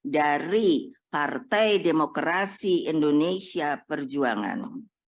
dari partai demokrasi indonesia perjuangan